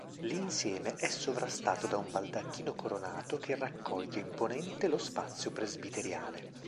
L'insieme è sovrastato da un baldacchino coronato che raccoglie imponente lo spazio presbiteriale.